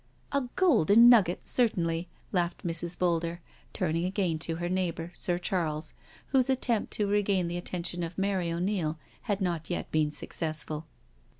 *^" A golden nugget, certainly,'^ laughed Mrs. Boulder, turning again to her neighbour. Sir Charles, whose attempt to regain the attention of Mary O'Neil had not yet been successful.